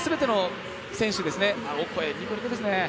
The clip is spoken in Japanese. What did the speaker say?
オコエ、ニコニコですね。